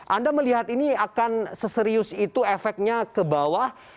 anda melihat ini akan seserius itu efeknya ke bawah